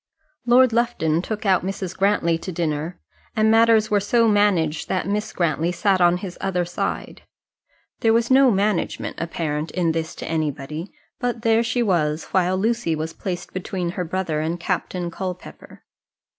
Lord Lufton took out Mrs. Grantly to dinner, and matters were so managed that Miss Grantly sat on his other side. There was no management apparent in this to anybody; but there she was, while Lucy was placed between her brother and Captain Culpepper.